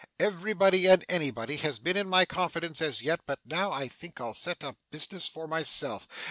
Everybody and anybody has been in my confidence as yet, but now I think I'll set up in business for myself.